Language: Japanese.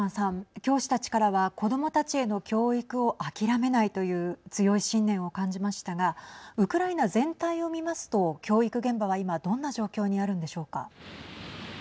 教師たちからは子どもたちへの教育を諦めないという強い信念を感じましたがウクライナ全体を見ますと教育現場は今どんな状況にあるんでしょうか。